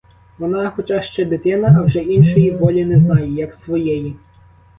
Вона хоча ще дитина, а вже іншої волі не знає, як своєї.